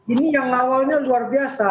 ini yang awalnya luar biasa